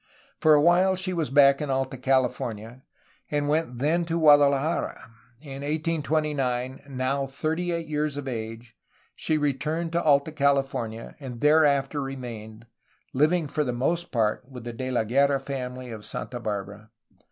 For a while she was back in Alta California, and went then to 416 A HISTORY OF CALIFORNIA Guadalajara. In 1829, now thirty eight years of age, she returned to Alta California, and thereafter remained, living for the most part with the De la Guerra family of Santa Barbara.